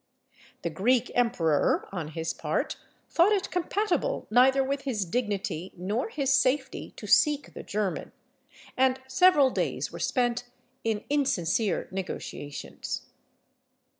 The Greek emperor, on his part, thought it compatible neither with his dignity nor his safety to seek the German, and several days were spent in insincere negotiations.